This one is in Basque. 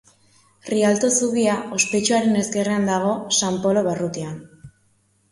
Rialto zubia ospetsuaren ezkerrean dago San Polo barrutian.